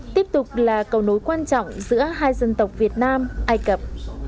tiếp tục là cầu nối quan trọng giữa hai dân tộc việt nam ai cập